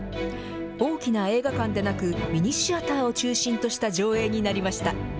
大きな映画館でなくミニシアターを中心とした上映になりました。